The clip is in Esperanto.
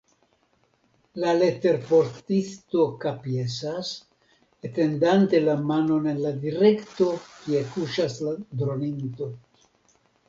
La leterportisto kapjesas, etendante la manon en la direkto, kie kuŝas la droninto.